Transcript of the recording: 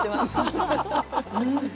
うん！